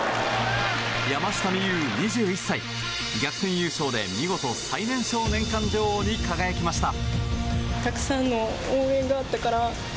山下美夢有、２１歳逆転優勝で、見事最年少年間女王に輝きました。